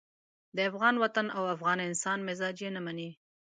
د افغان وطن او افغان انسان مزاج یې نه مني.